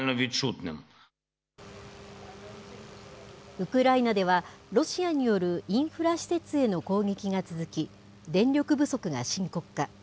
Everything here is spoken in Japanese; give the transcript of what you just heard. ウクライナでは、ロシアによるインフラ施設への攻撃が続き、電力不足が深刻化。